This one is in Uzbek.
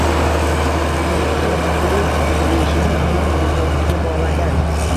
Uyining supurib- sidirilishini Alloh rizosiga bog'lagan